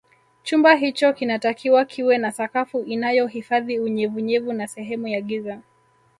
Chumba hicho kinatakiwa kiwe na sakafu inayohifadhi unyevunyevu na sehemu ya giza